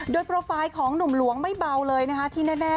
โดยโปรไฟล์ของหนุ่มหลวงไม่เบาเลยนะคะที่แน่